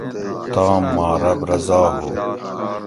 تام ما رب رضا ھو